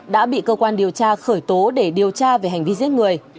đã bị cơ quan điều tra khởi tố để điều tra về hành vi giết người